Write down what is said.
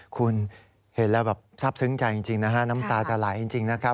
คุณเห็นแล้วแบบทราบซึ้งใจจริงนะฮะน้ำตาจะไหลจริงนะครับ